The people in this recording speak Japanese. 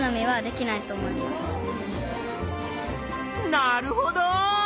なるほど！